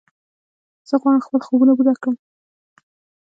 زه غواړم خپل خوبونه پوره کړم.